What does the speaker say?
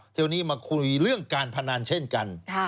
ทีนี้มาคุยเรื่องการพนันเช่นกัน